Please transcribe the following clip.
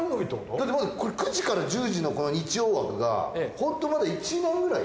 だってこれ９時から１０時のこの日曜枠がホントまだ１年くらい？